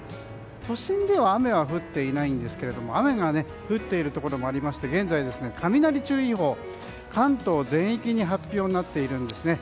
都心では雨は降っていないんですが雨が降っているところもありまして現在、雷注意報が関東全域に発表になっているんです。